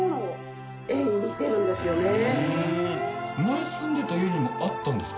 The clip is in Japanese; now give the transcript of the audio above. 前住んでた家にもあったんですか？